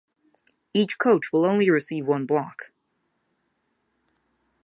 Each coach will only receive one block.